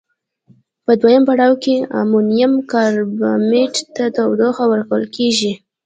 په دویم پړاو کې امونیم کاربامیت ته تودوخه ورکول کیږي.